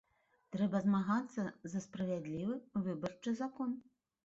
Трэба змагацца за справядлівы выбарчы закон!